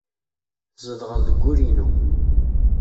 Tzedɣeḍ deg wul-inu.